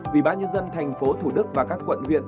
quỹ bác nhân dân thành phố thủ đức và các quận viện